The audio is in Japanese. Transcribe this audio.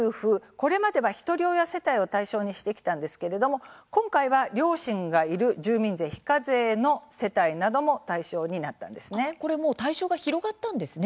これまではひとり親世帯を対象にしてきたんですけれども今回は両親がいる住民税非課税の世帯なども対象が広がったんですね。